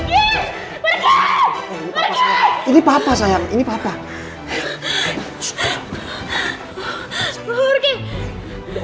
berarti dia merindukan beberapa anak ke dua puluh dua dan hidup dengan artis tertinggi